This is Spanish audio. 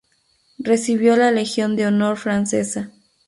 Recibió la 'Legión de Honor' francesa.